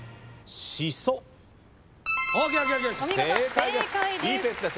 正解です。